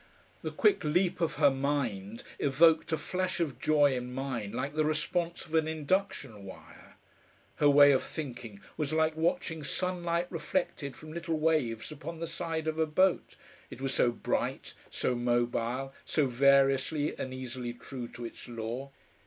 The quick leap of her mind evoked a flash of joy in mine like the response of an induction wire; her way of thinking was like watching sunlight reflected from little waves upon the side of a boat, it was so bright, so mobile, so variously and easily true to its law.